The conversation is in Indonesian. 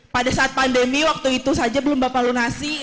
pada saat pandemi waktu itu saja belum bapak lunasi